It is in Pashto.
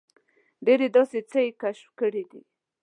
ډېر داسې څه یې کشف کړي دي.